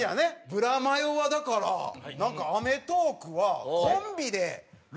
ブラマヨはだからなんか『アメトーーク』は。